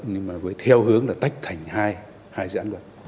nhưng mà với theo hướng là tách thành hai hai dự án luật